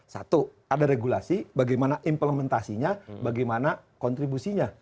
satu ada regulasi bagaimana implementasinya bagaimana kontribusinya